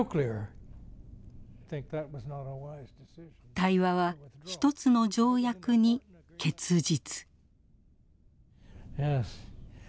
対話は１つの条約に結実。